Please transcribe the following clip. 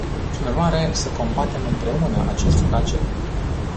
Prin urmare, să combatem împreună acest flagel.